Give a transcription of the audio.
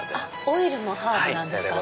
オイルもハーブなんですか。